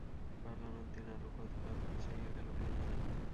পালানোর দিন আরও কতকাল পিছাইয়া গেল কে জানে।